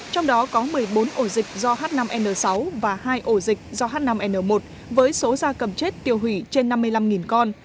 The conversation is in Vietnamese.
trong đó có một mươi bốn ổ dịch do h năm n sáu và hai ổ dịch do h năm n một với số da cầm chết tiêu hủy trên năm mươi năm con